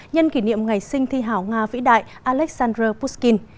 nhân kỷ niệm ngày sinh thi hảo nga vĩ đại alexander pushkin